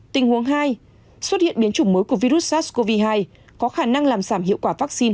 tình huống hai xuất hiện biến chủng mới của virus sars cov hai có khả năng làm giảm hiệu quả vaccine